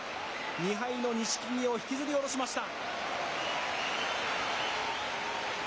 ２敗の錦木を引きずり下ろしました。